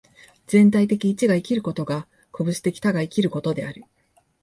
全体的一が生きることが個物的多が生きることである。